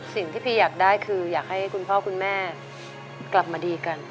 พี่อยากได้คืออยากให้คุณพ่อคุณแม่กลับมาดีกัน